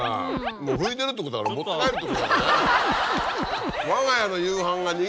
もう拭いてるってことは俺持って帰るってことだからね。